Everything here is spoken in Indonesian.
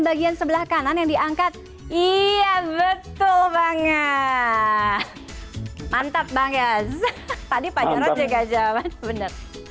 bagian sebelah kanan yang diangkat iya betul banget mantap bang yas tadi pak jarod jaga jawaban bener